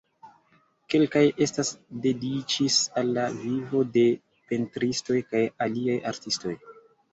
Kelkaj estas dediĉis al la vivo de pentristoj kaj aliaj artistoj.